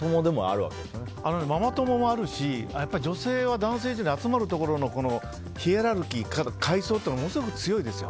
ママ友もあるし女性は男性より集まるところのヒエラルキー、階層がものすごく強いですよ。